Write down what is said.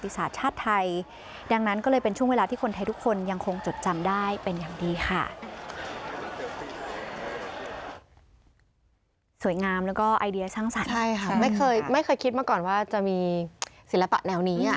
สวยงามแล้วก็ไอเดียสร้างสรรค์ไม่เคยคิดมาก่อนว่าจะมีศิลปะแนวนี้